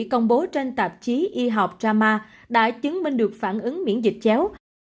công bố trên tạp chí y học rama đã chứng minh được phản ứng miễn dịch chéo